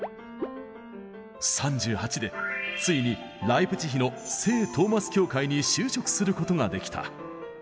３８でついにライプチヒの聖トーマス教会に就職することができた。